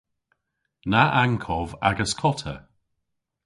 Na ankov agas kota!